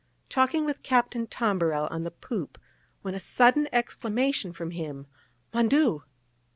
Talking with Captain Tombarel on the poop, when a sudden exclamation from him "_Mon Dieu!